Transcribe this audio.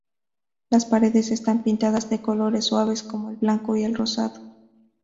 Las paredes están pintadas de colores suaves, como el blanco y el rosado.